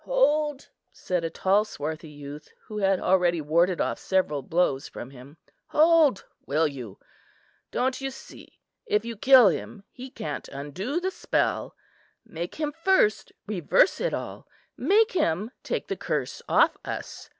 "Hold!" said a tall swarthy youth, who had already warded off several blows from him, "hold, will you? don't you see, if you kill him he can't undo the spell. Make him first reverse it all; make him take the curse off us.